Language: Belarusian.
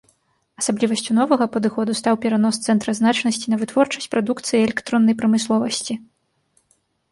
Асаблівасцю новага падыходу стаў перанос цэнтра значнасці на вытворчасць прадукцыі электроннай прамысловасці.